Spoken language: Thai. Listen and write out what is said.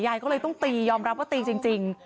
ยายก็เลยต้องตียอมรับว่าตีจริง